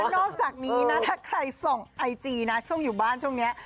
นอกจากนี้นะถ้าใครส่องไอจีนะช่วงอยู่บ้านช่วงนี้